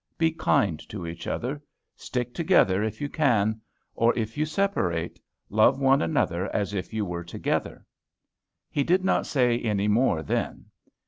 Be kind to each other. Stick together, if you can. Or, if you separate, love one another as if you were together." He did not say any more then.